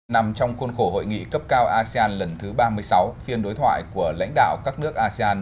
nằm trong khuôn khổ hội nghị cấp cao asean lần thứ ba mươi sáu phiên đối thoại của lãnh đạo các nước asean